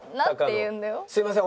「すみません